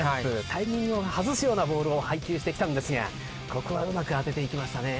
タイミングを外すようなボールを配球してきたんですがここはうまく当てていきましたね。